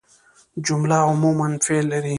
جمله عموماً فعل لري.